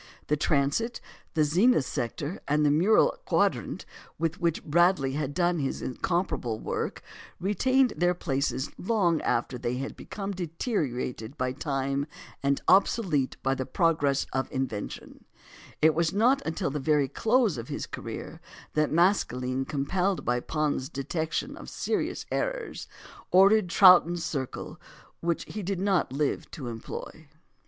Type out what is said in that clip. The transit, the zenith sector, and the mural quadrant, with which Bradley had done his incomparable work, retained their places long after they had become deteriorated by time and obsolete by the progress of invention; and it was not until the very close of his career that Maskelyne, compelled by Pond's detection of serious errors, ordered a Troughton's circle, which he did not live to employ.